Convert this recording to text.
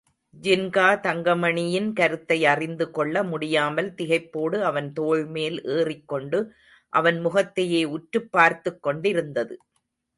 ஜின்கா தங்கமணியின் கருத்தை அறிந்துகொள்ள முடியாமல் திகைப்போடு அவன் தோள்மேல் ஏறிக்கொண்டு அவன் முகத்தையே உற்றுப் பார்த்துக்கொண்டிருந்தது.